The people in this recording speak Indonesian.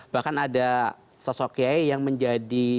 bahkan ada sosok kiai yang menjadi